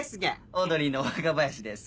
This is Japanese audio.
オードリーの若林です。